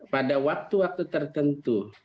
pada waktu waktu tertentu